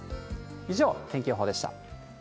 以上、天気予報でした。